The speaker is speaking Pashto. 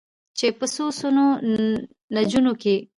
چې په څو سوو نجونو کې